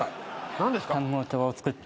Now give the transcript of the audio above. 何ですか？